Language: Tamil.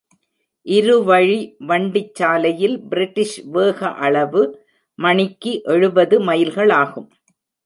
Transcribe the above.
இருவழி வண்டிச்சாலையில் பிரிட்டிஷ் வேக அளவு மணிக்கு எழுபது மைல்களாகும்.